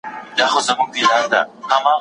ډوب سم جهاني غوندي له نوم سره